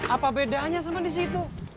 apa bedanya sama di situ